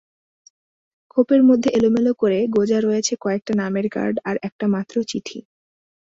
খোপের মধ্যে এলোমেলো করে গোঁজা রয়েছে কয়েকটা নামের কার্ড আর একটা মাত্র চিঠি।